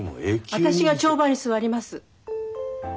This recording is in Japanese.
私が帳場に座ります。